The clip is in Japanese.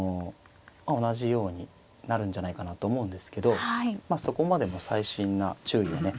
同じようになるんじゃないかなと思うんですけどまあそこまでの細心な注意をね